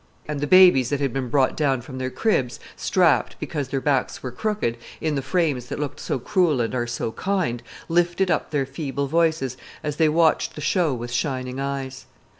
And the babies that had been brought down from their cribs, strapped, because their backs were crooked, in the frames that look so cruel and are so kind, lifted up their feeble voices as they watched the show with shining eyes.